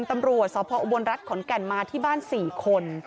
ตำรวจสพออุบลรัฐขอนแก่นมาที่บ้าน๔คน